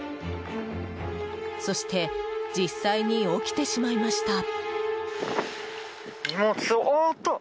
そして、実際に起きてしまいました。